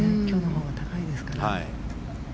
今日のほうが高いですから。